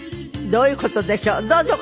どういう事でしょう？